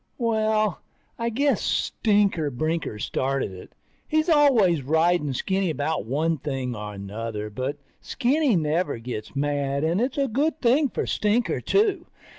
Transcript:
Well, I guess Stinker Brinker started it. He's always riding Skinny about one thing or another, but Skinny never gets mad and it's a good thing for Stinker, too.